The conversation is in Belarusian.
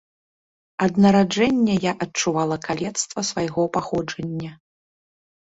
Ад нараджэння я адчувала калецтва свайго паходжання.